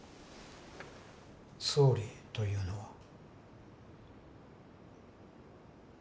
総理というのは？